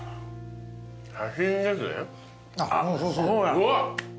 うわっ！